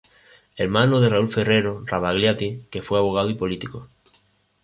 Hermano de Raúl Ferrero Rebagliati, que fue abogado y político.